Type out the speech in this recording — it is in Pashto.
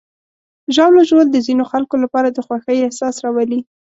ژاوله ژوول د ځینو خلکو لپاره د خوښۍ احساس راولي.